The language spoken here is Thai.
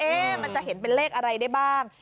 มันจะเห็นเป็นเลขอะไรได้บ้าง